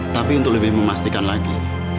tapi untuk lebih memastikan lagi